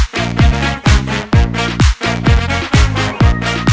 โปรดติดตามตอนต่อไป